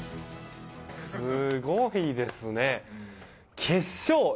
すごいですね、決勝。